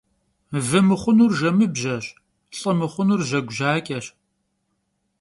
Vı mıxhunur jjemıbjeş, lh'ı mıxhunur jeğu jaç'eş.